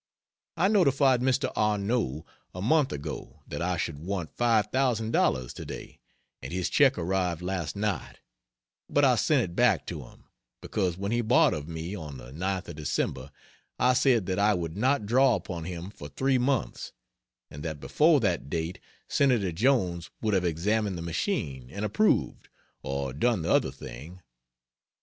I notified Mr. Arnot a month ago that I should want $5,000 to day, and his check arrived last night; but I sent it back to him, because when he bought of me on the 9th of December I said that I would not draw upon him for 3 months, and that before that date Senator Jones would have examined the machine and approved, or done the other thing.